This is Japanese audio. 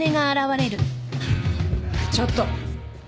・ちょっと。